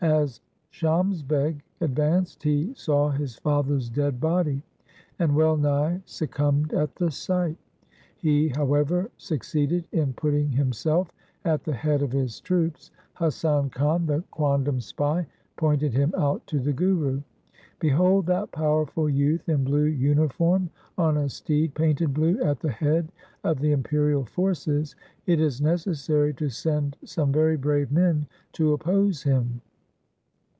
As Shams Beg advanced he saw his father's dead body, and well nigh succumbed at the sight. He, however, succeeded in putting himself at the head of his troops. Hasan Khan, the quondam spy, pointed him out to the Guru :' Behold that powerful youth in blue uniform on a steed painted blue, at the head of the imperial forces. It is necessary to send some very brave men to oppose him.'